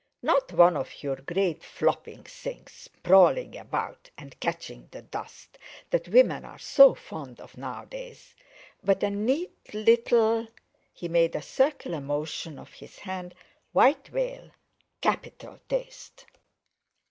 "Not one of your great flopping things, sprawling about, and catching the dust, that women are so fond of nowadays, but a neat little—" he made a circular motion of his hand, "white veil—capital taste."